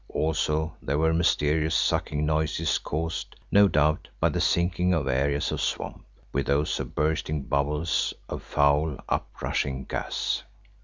Also there were mysterious sucking noises caused, no doubt, by the sinking of areas of swamp, with those of bursting bubbles of foul, up rushing gas.